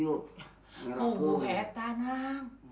oh ya tanang